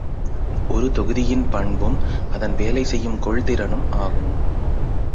ஒரு தொகுதியின் பண்பும் அதன் வேலை செய்யும் கொள்திறனும் ஆகும்.